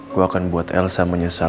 gue akan buat elsa menyesal